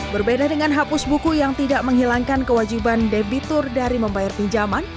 berbeda dengan hapus buku yang tidak menghilangkan kewajiban debitur dari membayar pinjaman